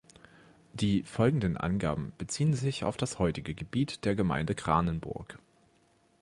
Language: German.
Die folgenden Angaben beziehen sich auf das heutige Gebiet der Gemeinde Kranenburg.